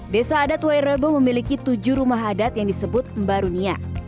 desa adat wairebo memiliki tujuh rumah adat yang disebut mbarunia